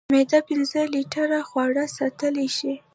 معده پنځه لیټره خواړه ساتلی شي.